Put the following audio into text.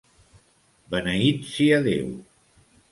Beneït sia Déu.